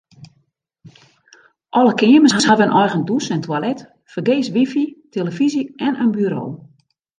Alle keamers hawwe in eigen dûs en toilet, fergees wifi, tillefyzje en in buro.